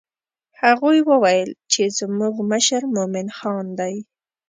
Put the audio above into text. هغوی وویل چې زموږ مشر مومن خان دی.